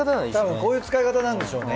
こういう使い方なんでしょうね。